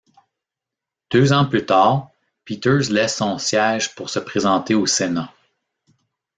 Deux ans plus tard, Peters laisse son siège pour se présenter au Sénat.